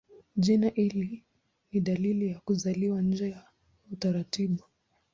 Jina hili ni dalili ya kuzaliwa nje ya utaratibu.